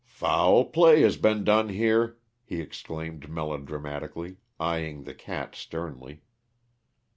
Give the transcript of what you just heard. "Foul play has been done here!" he exclaimed melodramatically, eying the cat sternly.